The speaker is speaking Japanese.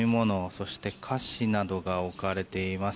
そして菓子などが置かれています。